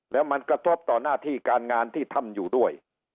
แล้วมันกระทบต่อหน้าที่การงานที่ทำอยู่ด้วย